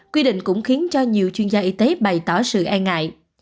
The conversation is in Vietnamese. quy định cũng khiến cho nhiều chuyên gia y tế bày tỏ sự e ngại